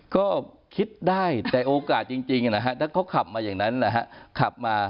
ก็คิดได้แต่โอกาสจริงนะฮะถ้าเขาขับมาอย่างนั้นนะฮะขับมา